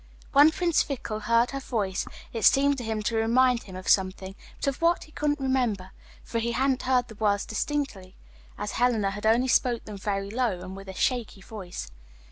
When Prince Fickle heard her voice it seemed to him to remind him of something, but of what he couldn't remember, for he hadn't heard the words distinctly, as Helena had only spoken them very low and with a shaky voice.